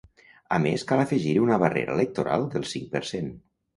A més cal afegir-hi una barrera electoral del cinc per cent.